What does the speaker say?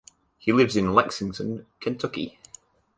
He lives in Lexington, Kentucky.